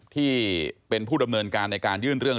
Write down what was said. ที่เป็นผู้ดำเนินการในการยื่นเรื่อง